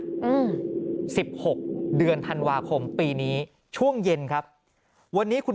อืมสิบหกเดือนธันวาคมปีนี้ช่วงเย็นครับวันนี้คุณ